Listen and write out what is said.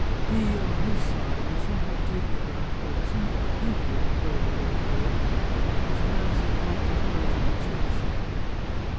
He, on his side, was somewhat taken aback by the singular beauty of the twelve year old girl, and his glances brought the colour to her cheeks.